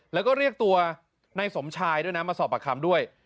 แล้วก็เรียกตัวนายสมชายด้วยนะมาสอบปากคำด้วย